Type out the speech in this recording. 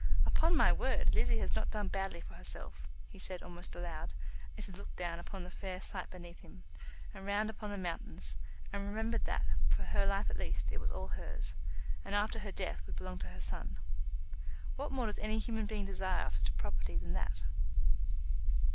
"Upon my word, Lizzie has not done badly for herself," he said almost aloud, as he looked down upon the fair sight beneath him, and round upon the mountains, and remembered that, for her life at least, it was all hers, and after her death would belong to her son. What more does any human being desire of such a property than that?